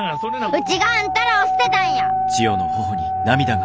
うちがあんたらを捨てたんや。